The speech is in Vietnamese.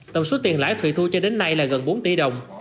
tổng suốt tiền lãi thụy thu cho đến nay là gần bốn tỷ đồng